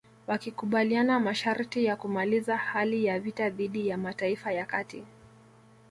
Wakikubaliana masharti ya kumaliza hali ya vita dhidi ya Mataifa ya Kati